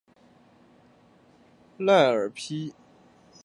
赖尔批判了自笛卡尔以来的身心二元论思想。